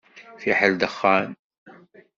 Fiḥel dexxan.